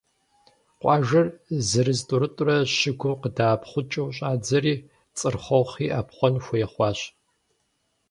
Къуажэр зырыз-тӏурытӏурэ щыгум къыдэӏэпхъукӏыу щӏадзэри, Цырхъохи ӏэпхъуэн хуей хъуащ.